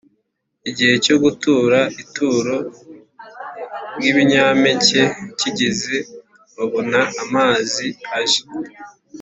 Igihe cyo gutura ituro ry’ibinyampeke kigeze, babona amazi aje